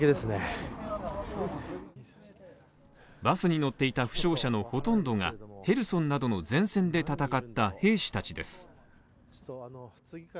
バスに乗っていた負傷者のほとんどがヘルソンなどの前線で戦った兵士たちです。